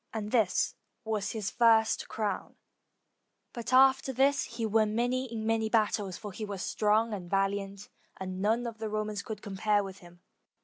And this was his first crown, but after this he won many in many battles, for he was strong and val iant, and none of the Romans could compare with him.